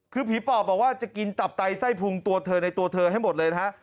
คือผีปอบบอกว่าจะกินตับไตไส้พุงตัวเธอในตัวเธอให้หมดเลยนะฮะ